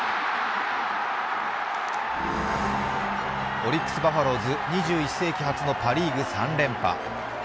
オリックスバファローズ２１世紀初のリーグ３連覇。